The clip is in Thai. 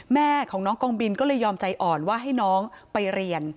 แม่ของน้องกองบินก็เลยยอมใจอ่อนว่าให้น้องไปเรียน